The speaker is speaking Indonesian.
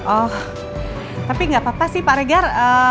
oh tapi nggak apa apa sih pak regar